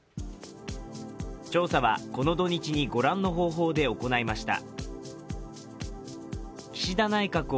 調査は、この土日に御覧の方法で行いました。